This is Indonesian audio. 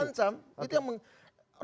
itu yang mengancam